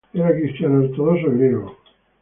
Era cristiano ortodoxo griego.